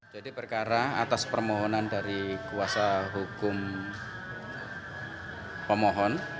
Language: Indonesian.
jadi berkara atas permohonan dari kuasa hukum pemohon